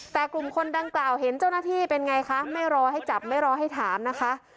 แต่กลุ่มคนดังกล่าวเห็นเจ้าหน้าที่เป็นไงคะไม่รอให้จับไม่รอให้ถามนะคะ